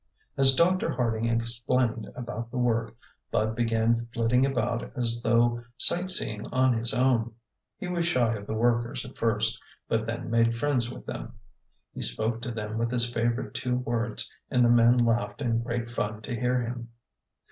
As Dr. Harding explained about the work, Bud began flitting about as though sight seeing on his own. He was shy of the workers at first, but then made friends with them. He spoke to them with his favorite two words and the men laughed in great fun to hear him.